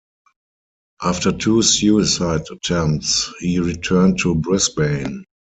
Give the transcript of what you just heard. After two suicide attempts, he returned to Brisbane.